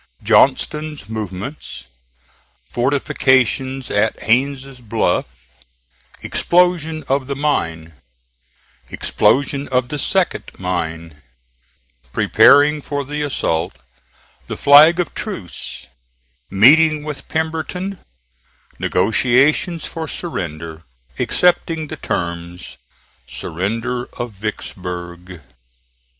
JOHNSTON'S MOVEMENTS FORTIFICATIONS AT HAINES' BLUFF EXPLOSION OF THE MINE EXPLOSION OF THE SECOND MINE PREPARING FOR THE ASSAULT THE FLAG OF TRUCE MEETING WITH PEMBERTON NEGOTIATIONS FOR SURRENDER ACCEPTING THE TERMS SURRENDER OF VICKSBURG.